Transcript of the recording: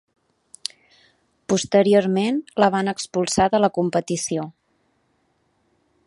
Posteriorment la van expulsar de la competició.